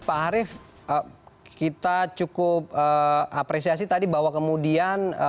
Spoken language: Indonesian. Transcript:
pak harif kita cukup apresiasi tadi bahwa kemudian